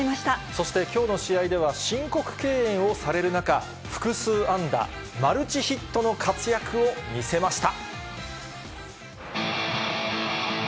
そしてきょうの試合では、申告敬遠をされる中、複数安打、マルチヒットの活躍を見せました。